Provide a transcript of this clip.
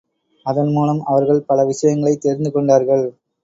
அதன் மூலம் அவர்கள் பல விஷயங்களைத் தெரிந்து கொண்டார்கள்.